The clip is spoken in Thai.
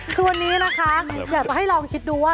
คือวันนี้นะคะอยากจะให้ลองคิดดูว่า